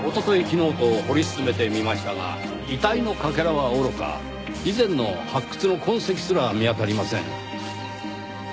昨日と掘り進めてみましたが遺体のかけらはおろか以前の発掘の痕跡すら見当たりません。